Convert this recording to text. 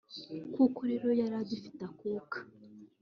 Kuko rero yari agifite akuka